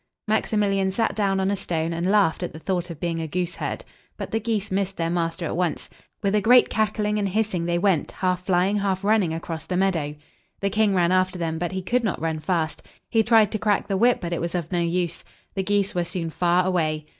Maximilian sat down on a stone, and laughed at the thought of being a goose herd. But the geese missed their master at once. With a great cac kling and hissing they went, half flying, half running, across the meadow. The king ran after them, but he could not run fast. He tried to crack the whip, but it was of no use. The geese were soon far away.